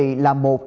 thưa quý vị